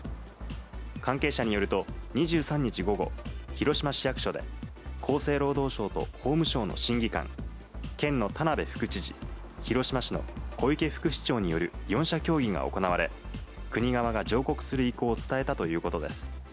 関係者によると、２３日午後、広島市役所で、厚生労働省と法務省の審議官、県の田辺副知事、広島市の小池副市長による４者協議が行われ、国側が上告する意向を伝えたということです。